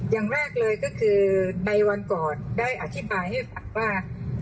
อย่างแรกเลยก็คือในวันก่อนได้อธิบายให้ฟังว่า